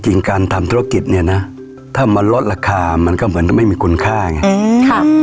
จริงการทำธุรกิจเนี่ยนะถ้ามันลดราคามันก็เหมือนไม่มีคุณค่าไง